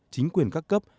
chính quyền các cấp